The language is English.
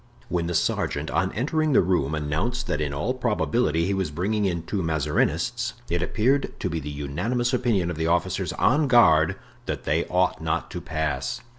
When the sergeant on entering the room announced that in all probability he was bringing in two Mazarinists, it appeared to be the unanimous opinion of the officers on guard that they ought not to pass.